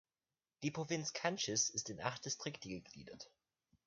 Die Provinz Canchis ist in acht Distrikte gegliedert.